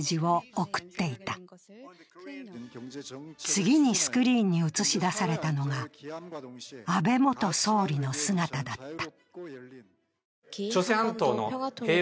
次にスクリーンに映し出されたのが、安倍元総理の姿だった。